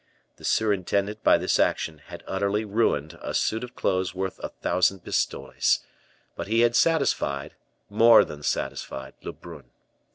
The surintendant, by this action, had utterly ruined a suit of clothes worth a thousand pistoles, but he had satisfied, more than satisfied, Lebrun.